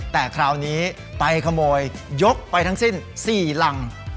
แต่คราวนี้ไปขโมยยกไปทั้งสิ้น๔รัง